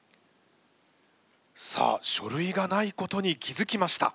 さあ書類がないことに気付きました。